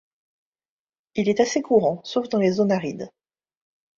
Il est assez courant sauf dans les zones arides.